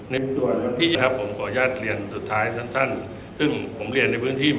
ไม่ใช่ว่าเราไปประวิงเวลาไหน